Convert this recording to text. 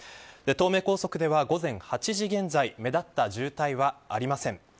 東名高速では午前８時現在目立った渋滞はありません。